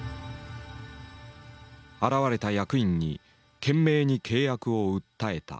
現れた役員に懸命に契約を訴えた。